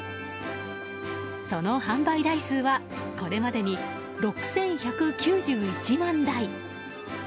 その販売台数はこれまでに６１９１万台。